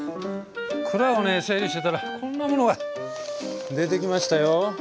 蔵をね整理してたらこんなものが出てきましたよ。